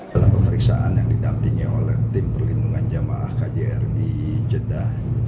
dalam pemeriksaan yang didampingi oleh tim perlindungan jamaah kjri jeddah